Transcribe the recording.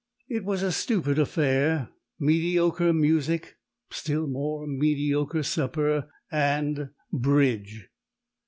It was a stupid affair: mediocre music, still more mediocre supper and BRIDGE!